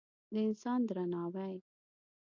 د انسان درناوی